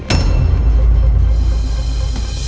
saya itu gak ada alasan